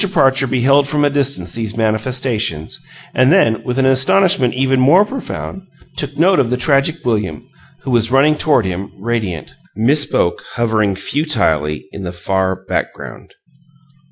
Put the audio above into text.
Parcher beheld from a distance these manifestations, and then, with an astonishment even more profound, took note of the tragic William, who was running toward him, radiant Miss Boke hovering futilely in the far background.